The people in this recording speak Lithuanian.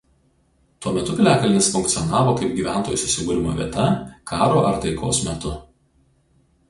Tuo metu piliakalnis funkcionavo kaip gyventojų susibūrimo vieta karo ar taikos metu.